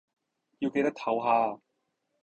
要記得抖下呀